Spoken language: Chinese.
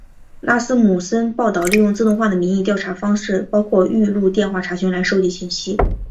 拉斯穆森报导利用自动化的民意调查方式包括预录电话查询来收集信息。